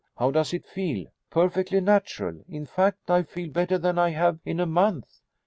How does it feel?" "Perfectly natural. In fact I feel better than I have in a month."